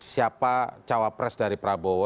siapa cawapres dari prabowo